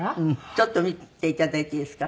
ちょっと見て頂いていいですか？